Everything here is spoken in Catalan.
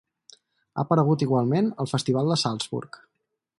Ha aparegut igualment al Festival de Salzburg.